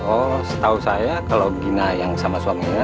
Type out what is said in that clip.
oh setahu saya kalau gina yang sama suaminya